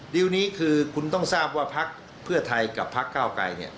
ดีลนี้คือคุณต้องทราบว่าพักเพื่อไทยกับพักเก้าไกร